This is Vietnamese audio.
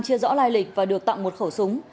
chia rõ lai lịch và được tặng một khẩu súng